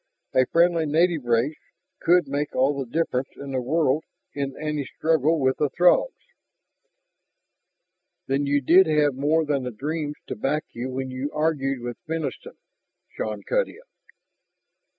A friendly native race could make all the difference in the world in any struggle with the Throgs." "Then you did have more than the dreams to back you when you argued with Fenniston!" Shann cut in.